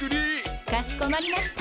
かしこまりました。